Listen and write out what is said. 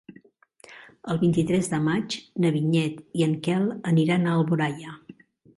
El vint-i-tres de maig na Vinyet i en Quel aniran a Alboraia.